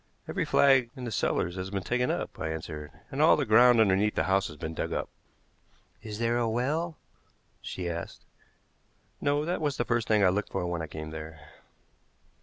"Every flag in the cellars has been taken up," I answered; "and all the ground underneath the house has been dug up." "Is there a well?" she asked. "No; that was the first thing I looked for when I came there."